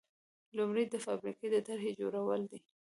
لومړی د فابریکې د طرحې جوړول دي.